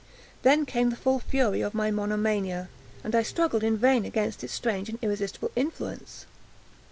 Then came the full fury of my monomania, and I struggled in vain against its strange and irresistible influence.